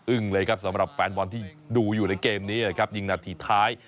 เลยครับสำหรับแฟนบอลที่ดูอยู่ในเกมนี้นะครับยิงนาทีท้าย